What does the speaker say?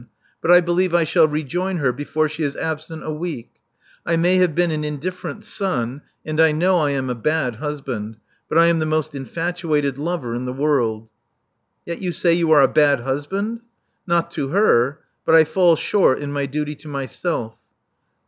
But I believe I shall rejoin her before she is absent a week. I may have been an indifferent son ; and I know I am a bad husband ; but I am the most infatuated lover in the world." Yet you say you are a bad husband!" Not to her. But I fall short in my duty to myself.